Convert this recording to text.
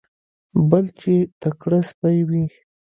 بل چې تکړه سپی وي.